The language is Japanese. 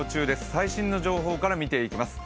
最新の情報から見ていきます。